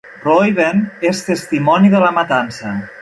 Reuben és testimoni de la matança.